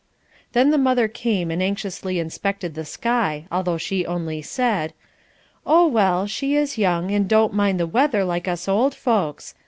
Then the mother came and anxiously inspected the sky, although she only said: "Oh well, she is young, and don't mind the weather like us old folks.